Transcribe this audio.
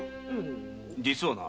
実はな。